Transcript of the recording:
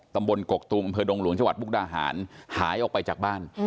ตำบลกกตูบำเภอดงหลวงชาวัดบุกราหารหายออกไปจากบ้าน